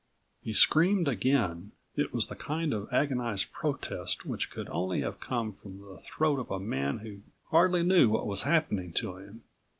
He screamed again. It was the kind of agonized protest which could only have come from the throat of a man who hardly knew what was happening to him